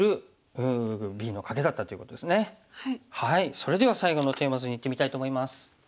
それでは最後のテーマ図にいってみたいと思います。